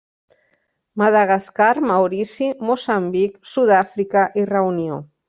Madagascar, Maurici, Moçambic, Sud-àfrica i Reunió.